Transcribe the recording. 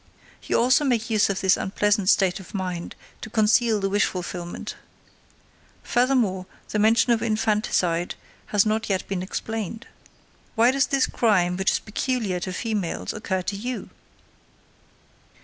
You also make use of this unpleasant state of mind to conceal the wish fulfillment. Furthermore, the mention of infanticide has not yet been explained. Why does this crime, which is peculiar to females, occur to you?"